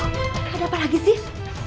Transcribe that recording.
ada apa lagi sih